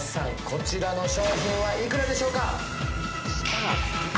こちらの商品は幾らでしょうか？